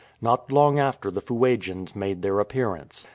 Not long after the Fuegians made their appearance.